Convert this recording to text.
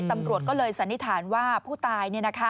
ตำรวจก็เลยสันนิษฐานว่าผู้ตาย